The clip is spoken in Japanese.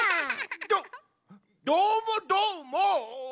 どっどーもどーもっ！